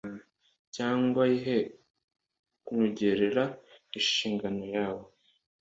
cyangwa yihe knwugerera inshingano yawo.